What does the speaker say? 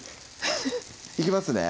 いきますね